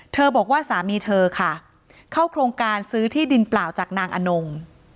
บอกว่าสามีเธอค่ะเข้าโครงการซื้อที่ดินเปล่าจากนางอนง